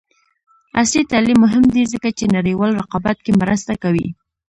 عصري تعلیم مهم دی ځکه چې نړیوال رقابت کې مرسته کوي.